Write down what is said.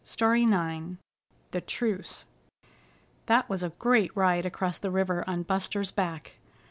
STORY IX THE TRUCE That was a great ride across the river on Buster's back.